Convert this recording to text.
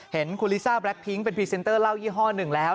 เห็นคุณลิซ่าแล็คพิ้งเป็นพรีเซนเตอร์เล่ายี่ห้อหนึ่งแล้ว